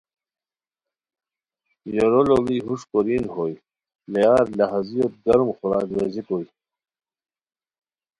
یورو لوڑی ہݰکورین بوئے لییار لہازیوت گرم خوراک ویزی کوئے